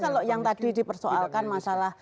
kalau yang tadi dipersoalkan masalah